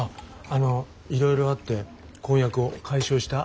あのいろいろあって婚約を解消した？